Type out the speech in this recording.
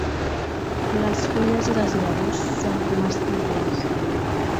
Les fulles i les llavors són comestibles.